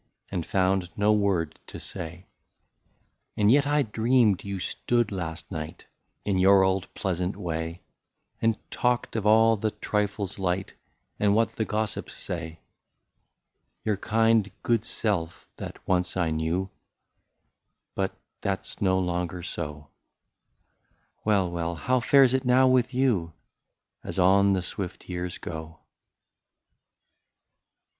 And found no word to say. And yet I dream'd you stood last night, In your old pleasant way. And talked of all the trifles light. And what the gossips say. Your kind good self, that once I knew — But that 's no longer so — Well, well — how fares it now with you. As on the swift years go